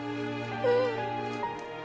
うん